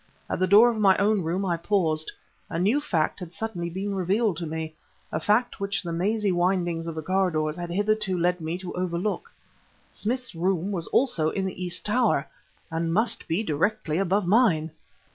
At the door of my own room I paused; a new fact had suddenly been revealed to me, a fact which the mazy windings of the corridors had hitherto led me to overlook. Smith's room was also in the east tower, and must be directly above mine!